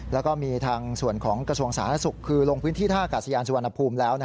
แล้วก็มีทางส่วนของกระทรวงสาธารณสุขคือลงพื้นที่ท่ากาศยานสุวรรณภูมิแล้ว